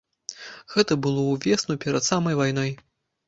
Гэта было ўвесну перад самай вайной.